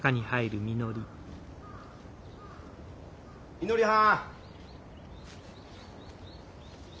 みのりはん！